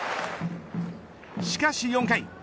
しかし４回。